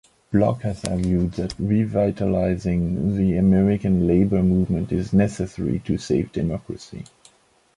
Block has argued that revitalizing the American labor movement is necessary to save democracy.